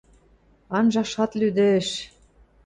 Анжашат лӱдӹш.